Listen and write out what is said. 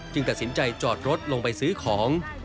ตัดสินใจจอดรถลงไปซื้อของ